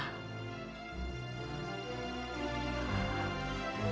kamu sedang br